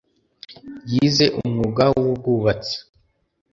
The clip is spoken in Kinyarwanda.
yize umwuga wubwubwtsi,